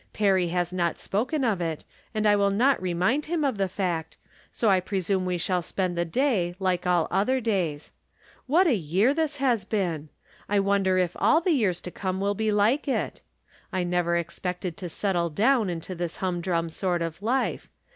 Perry has not spoken of it, and I wiU. not remind him of the fact, so I presume we shall spend the day like all other days. What a year this has been .' I wonder if all the years to come will be like it I I never expected to settle down into this hum drum sort of life.